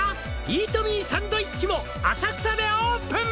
「イートミーサンドイッチも浅草でオープン！」